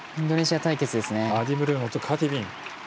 アディムリョノとカティビン。